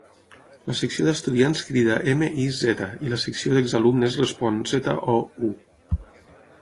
La secció d'estudiants crida "M-I-Z" i la secció d'exalumnes respon "Z-O-U".